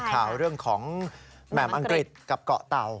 ข่าวเรื่องของแหม่มอังกฤษกับเกาะเต่า